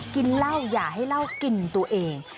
กินเหล้าอย่าให้เหล้ากินตัวเอง